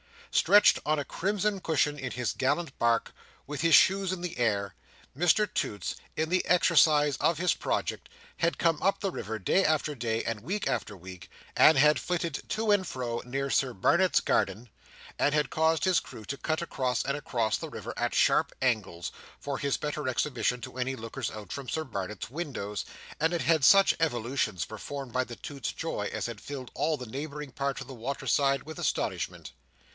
Stretched on a crimson cushion in his gallant bark, with his shoes in the air, Mr Toots, in the exercise of his project, had come up the river, day after day, and week after week, and had flitted to and fro, near Sir Barnet's garden, and had caused his crew to cut across and across the river at sharp angles, for his better exhibition to any lookers out from Sir Barnet's windows, and had had such evolutions performed by the Toots's Joy as had filled all the neighbouring part of the water side with astonishment.